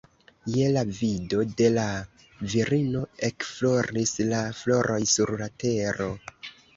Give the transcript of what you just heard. Je la vido de la virino ekfloris la floroj sur la tero